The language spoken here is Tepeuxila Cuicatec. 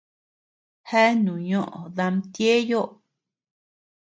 Jeanu ñoʼö daami Tieyo.